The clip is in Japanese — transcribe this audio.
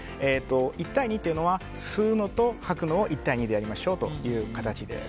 １対２というのは吸うのと吐くのを１対２でやりましょうという形です。